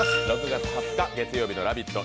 ６月２０日月曜日の「ラヴィット！」